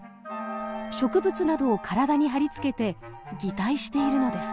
植物などを体に張り付けて擬態しているのです。